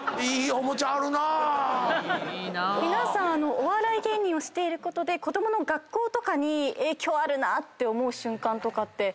皆さんお笑い芸人をしていることで子供の学校とかに影響あるなって思う瞬間とかって。